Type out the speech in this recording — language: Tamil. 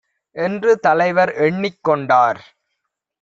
என்று தலைவர் எண்ணிக் கொண்டார்.